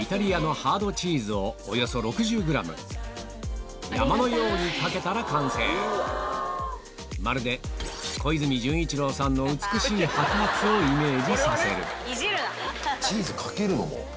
ハードチーズをおよそ６０ｇ山のようにかけたら完成まるで小泉純一郎さんの美しい白髪をイメージさせるいじるな。